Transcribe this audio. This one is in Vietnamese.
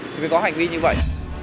thì mới có hành vi như vậy